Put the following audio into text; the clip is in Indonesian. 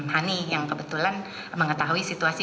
hani yang kebetulan mengetahui situasi